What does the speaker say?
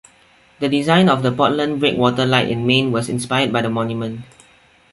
The design of the Portland Breakwater Light in Maine was inspired by the monument.